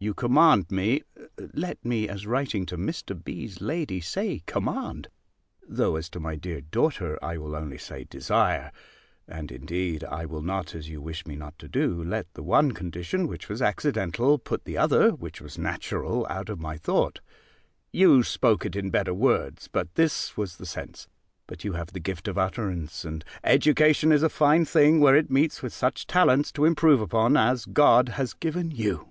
You command me Let me, as writing to Mr. B.'s lady, say command, though, as to my dear daughter, I will only say desire: and, indeed, I will not, as you wish me not to do, let the one condition, which was accidental, put the other, which was natural, out of my thought: you spoke it in better words, but this was the sense. But you have the gift of utterance; and education is a fine thing, where it meets with such talents to improve upon, as God has given you.